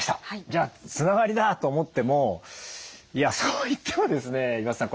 じゃあつながりだ！と思ってもいやそう言ってもですね岩田さん